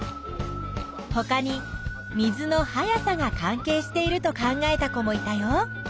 ほかに水の速さが関係していると考えた子もいたよ。